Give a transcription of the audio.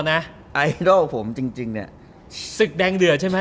ไอดอลผมจริงเนี่ยศึกแดงเดือดใช่ไหม